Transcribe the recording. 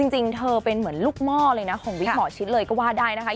จริงเธอเป็นเหมือนลูกหม้อเลยนะของวิกหมอชิดเลยก็ว่าได้นะคะ